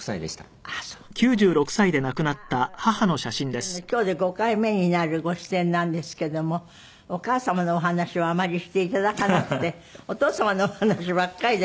まあこれ今日で５回目になるご出演なんですけどもお母様のお話をあまりして頂かなくてお父様のお話ばっかりで。